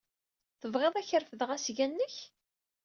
Tebɣiḍ ad ak-refdeɣ asga-nnek?